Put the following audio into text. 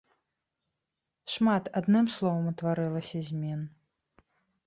Шмат, адным словам, утварылася змен.